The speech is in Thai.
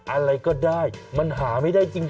อะไรก็ได้มันหาไม่ได้จริง